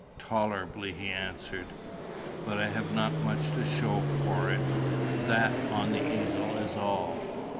"Tolerably," he answered. "But I have not much to show for it. That on the easel is all.